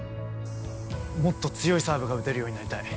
もっと強いサーブが打てるようになりたい